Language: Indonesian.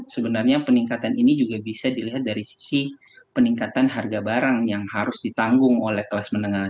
sebenarnya peningkatan ini juga bisa dilihat dari sisi peningkatan harga barang yang harus ditanggung oleh kelas menengah